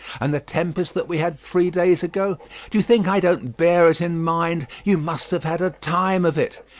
And the tempest that we had three days ago. Do you think I don't bear it in mind? You must have had a time of it!